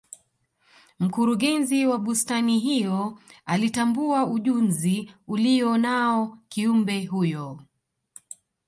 mkurugenzi wa bustani hiyo alitambua ujunzi aliyo nao kiumbe huyo